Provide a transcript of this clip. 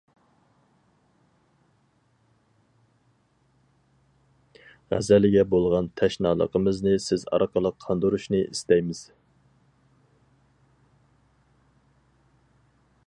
غەزەلگە بولغان تەشنالىقىمىزنى سىز ئارقىلىق قاندۇرۇشنى ئىستەيمىز.